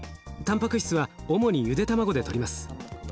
たんぱく質は主にゆで卵でとります。